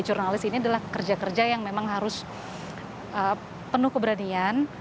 jurnalis ini adalah kerja kerja yang memang harus penuh keberanian